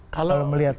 kalau melihat tadi